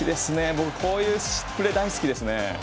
僕、こういうプレー大好きです。